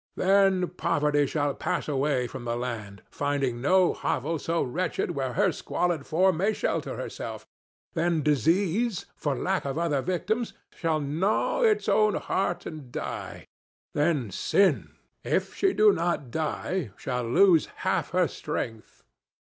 Then Poverty shall pass away from the land, finding no hovel so wretched where her squalid form may shelter herself. Then Disease, for lack of other victims, shall gnaw its own heart and die. Then Sin, if she do not die, shall lose half her strength.